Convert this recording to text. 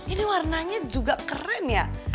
ini warnanya juga keren ya